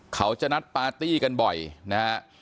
เขาจะนัดปาร์ตี้กันบ่อยนะฮะ